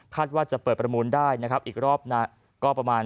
คาดว่าจะเปิดประมูลได้อีกรอบหน้า